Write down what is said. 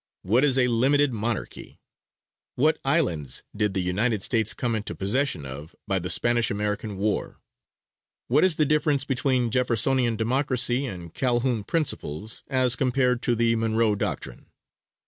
"What is a limited monarchy? "What islands did the United States come into possession of by the Spanish American War? "What is the difference between Jeffersonian Democracy and Calhoun principles, as compared to the Monroe Doctrine?